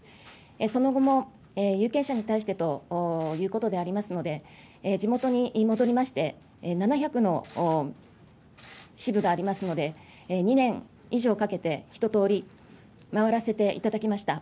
その後も有権者に対してということでありますので、地元に戻りまして、７００の支部がありますので、２年以上かけて、一通り回らせていただきました。